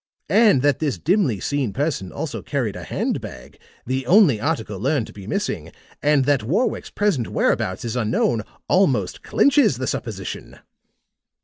And that this dimly seen person also carried a hand bag, the only article learned to be missing, and that Warwick's present whereabouts is unknown, almost clinches the supposition."